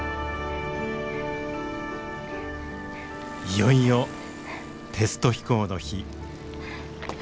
いよいよテスト飛行の日。